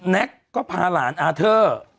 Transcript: แก๊กก็พาหลานอาเทอร์